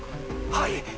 はい！